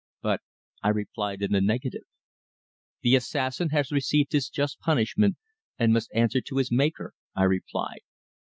But I replied in the negative. "The assassin has received his just punishment and must answer to his Maker," I replied.